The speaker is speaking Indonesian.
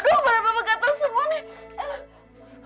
aduh mana mama gatel semua nih